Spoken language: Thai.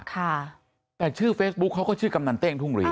ค่ะแต่ชื่อเฟซบุ๊คเขาก็ชื่อกำนันเต้งทุ่งรี